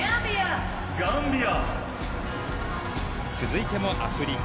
続いても、アフリカ。